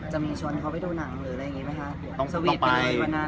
จะมีชวนเขาไปดูหนังหรืออะไรอย่างนี้ไหมคะ